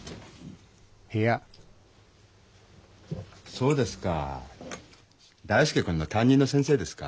そうですか大介君の担任の先生ですか。